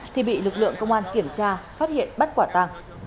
thì bị lực lượng công an kiểm tra phát hiện bắt quạt tà